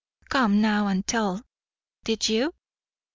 Come now, and tell. Did you?"